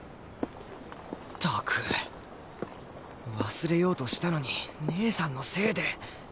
忘れようとしたのに姉さんのせいで